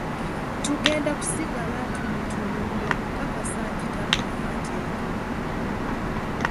Tugenda kusigala tumutunuulira okukakasa nti tamenya mateeka.